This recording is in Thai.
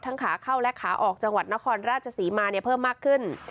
ขาเข้าและขาออกจังหวัดนครราชศรีมาเนี่ยเพิ่มมากขึ้น